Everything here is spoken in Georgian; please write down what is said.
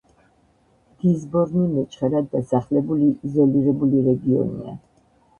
გიზბორნი მეჩხერად დასახლებული, იზოლირებული რეგიონია.